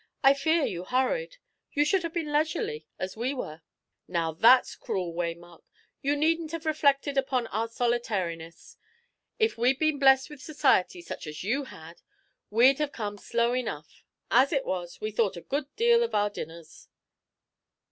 "I fear you hurried. You should have been leisurely, as we were." "Now that's cruel, Waymark. You needn't have reflected upon our solitariness. If we'd been blessed with society such as you had, we'd have come slow enough. As it was, we thought a good deal of our dinners."